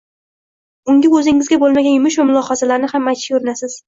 Unga o`zingizda bo`lmagan yumush va mulohazalarni ham aytishga urinasiz